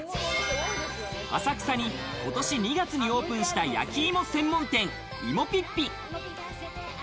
浅草に今年２月にオープンした焼き芋専門店「芋ぴっぴ。」。